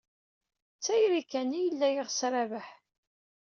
D tayri kan ay yella yeɣs Rabaḥ.